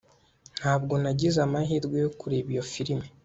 ntabwo nagize amahirwe yo kureba iyo firime